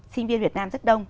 sinh viên việt nam rất đông